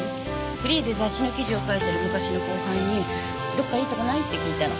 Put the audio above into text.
フリーで雑誌の記事を書いてる昔の後輩にどっかいいとこない？って聞いたの。